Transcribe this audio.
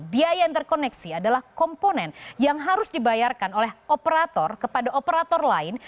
biaya yang terkoneksi adalah komponen yang harus dibayarkan oleh operator kepada operator lain